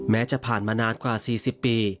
จะผ่านมานานกว่า๔๐ปี